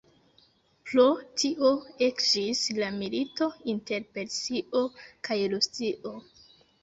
Pro tio ekiĝis la milito inter Persio kaj Rusio.